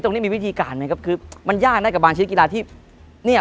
นี้มีวิธีการไหมครับคือมันยากนะกับบางชนิดกีฬาที่เนี่ย